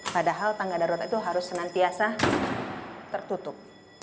padahal tangga darurat itu harus senantiasa tertutup